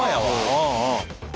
うんうん。